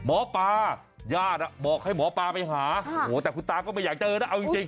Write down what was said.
หมอปลาญาติบอกให้หมอปลาไปหาแต่คุณตาก็ไม่อยากเจอนะเอาจริง